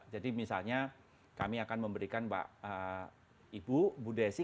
jadi misalnya kami akan memberikan mbak ibu bu desi